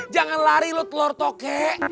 jangan lari lo telor tokek